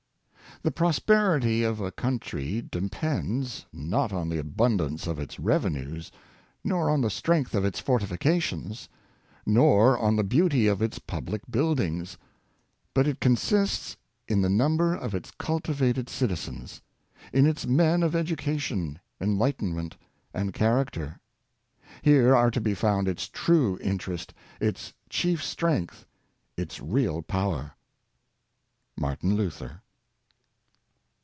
'* The prosperity of a country depends, not on the abundance of its revenues, nor on the strength of its fortifications, nor on the beauty of its public build ings ; but it consists in the number of its cultivated citizens, in its men of edu cation, enlightenment, and character ; here are to be found its true interest, its chief strength, its real power." — Martin Luther.